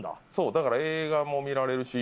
だから映画も見られるし。